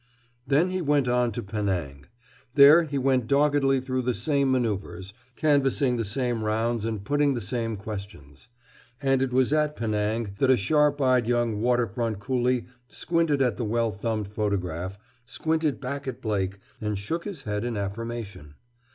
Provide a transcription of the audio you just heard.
Then he went on to Penang. There he went doggedly through the same manœuvers, canvassing the same rounds and putting the same questions. And it was at Penang that a sharp eyed young water front coolie squinted at the well thumbed photograph, squinted back at Blake, and shook his head in affirmation.